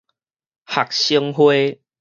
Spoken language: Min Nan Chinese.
學生會